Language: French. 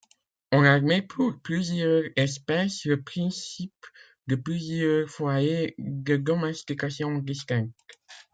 On admet pour plusieurs espèces le principe de plusieurs foyers de domestication distincts.